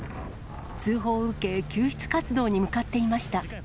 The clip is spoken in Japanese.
通報を受け、救出活動に向かっていました。